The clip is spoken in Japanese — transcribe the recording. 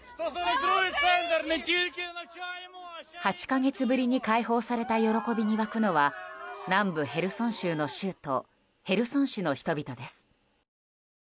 ８か月ぶりに解放された喜びに沸くのは南部へルソン州の州都ヘルソン市の人々です。